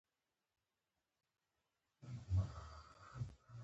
افغانستان د خپلو ژبو له مخې پېژندل کېږي.